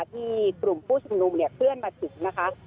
ที่กลุ่มผู้ชุมนุมเนี่ยเคลื่อนมาถึงนะคะ